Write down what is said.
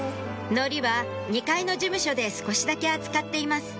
海苔は２階の事務所で少しだけ扱っています